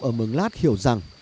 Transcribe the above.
ở mường lát hiểu rằng